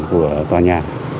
của tòa nhà